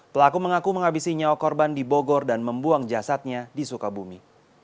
pelaku mengaku menghabisi nyawa korban di bogor dan membuang jasadnya di sukabumi